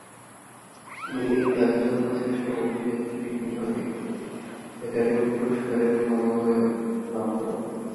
তিনি এই কাজের জন্য শ্রেষ্ঠ অভিনেত্রী বিভাগে একাডেমি পুরস্কারের মনোনয়ন লাভ করেন।